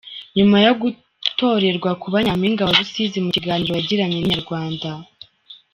Nyuma yo gutorerwa kuba Nyampinga wa Rusizi, mu kiganiro yagiranye na Inayrwanda.